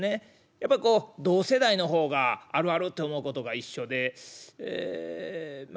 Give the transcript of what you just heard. やっぱりこう同世代の方があるあるって思うことが一緒でえま